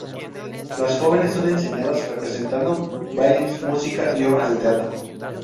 Las jóvenes son enseñadas, representado bailes, música y obras de teatro.